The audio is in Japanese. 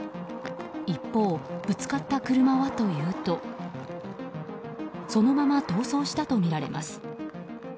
一方、ぶつかった車はというとそのまま逃走したとみられます。